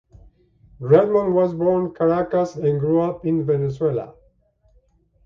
Redmond was born Caracas and grew up in Venezuela.